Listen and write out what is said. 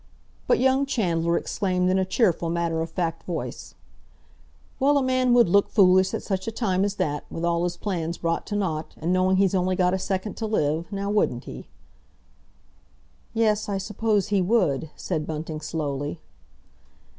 But young Chandler exclaimed in a cheerful, matter of fact voice, "Well, a man would look foolish at such a time as that, with all his plans brought to naught—and knowing he's only got a second to live—now wouldn't he?" "Yes, I suppose he would," said Bunting slowly.